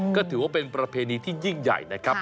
ก็ถือว่าเป็นประเพณีที่ยิ่งใหญ่นะครับ